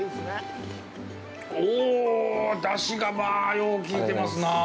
お、出汁がまあ、よう効いてますな。